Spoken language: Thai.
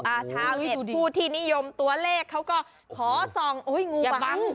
อ่าชาวเห็ดผู้ที่นิยมตัวเลขเขาก็ขอส่องโอ้โฮงูบังอย่าบั้ง